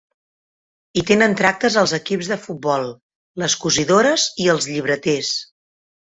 Hi tenen tractes els equips de futbols, les cosidores i els llibreters.